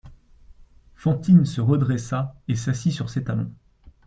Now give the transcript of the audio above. Fantine se redressa et s'assit sur ses talons.